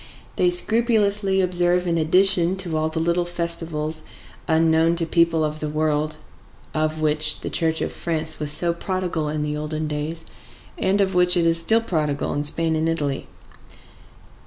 They scrupulously observe in addition all the little festivals unknown to people of the world, of which the Church of France was so prodigal in the olden days, and of which it is still prodigal in Spain and Italy.